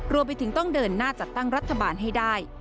รวมไปถึงต้องเดินหน้าจัดตั้งรัฐบาลให้ได้